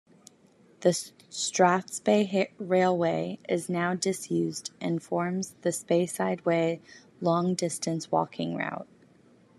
The Strathspey Railway is now disused and forms the Speyside Way long-distance walking route.